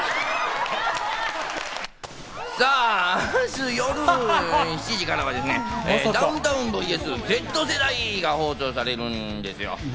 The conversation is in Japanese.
さぁ、明日夜７時からはですね、『ダウンタウンｖｓＺ世代』が放送されるんですよ。